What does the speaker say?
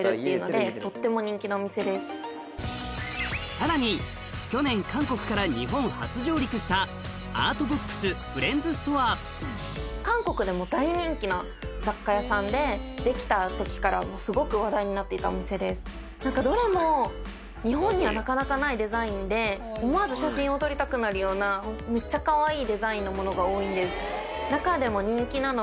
さらに去年韓国から日本初上陸したどれも日本にはなかなかないデザインで思わず写真を撮りたくなるようなめっちゃかわいいデザインのものが多いんです。